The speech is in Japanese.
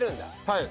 はい。